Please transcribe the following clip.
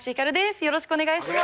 よろしくお願いします。